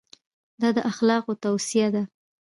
دا د اخلاقو توصیه ده.